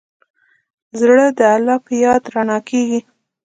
زړه د الله په یاد رڼا کېږي.